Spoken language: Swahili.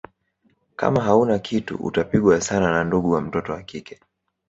Kama hauna kitu utapigwa sana na ndugu wa mtoto wa kike